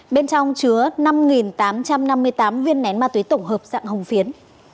bên trong chứa năm tám trăm năm mươi tám viên nén ma túy tổng hợp dạng hồng phiến